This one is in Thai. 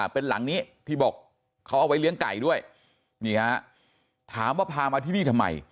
เป็นหลังนี้ที่บอกเขาเอาไว้เลี้ยงไก่ด้วยนี่ฮะถามว่าพามาที่นี่ทำไม